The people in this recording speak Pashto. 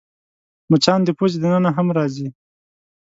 مچان د پوزې دننه هم راځي